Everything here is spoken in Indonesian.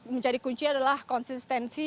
menjadi kunci adalah konsistensi